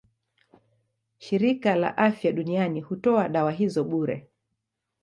Shirika la Afya Duniani hutoa dawa hizo bure.